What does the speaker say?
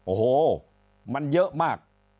โอ้โหมันเยอะมาก